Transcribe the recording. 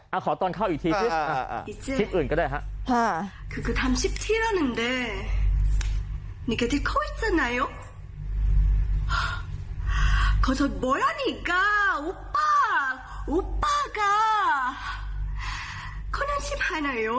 อ่ะขอต้นข้าวอีกทีทิศทิศอื่นก็ได้ฮะ